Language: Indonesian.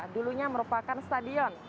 dulunya merupakan stadion